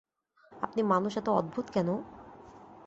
আপনি মানুষ এত অদ্ভুত কেন?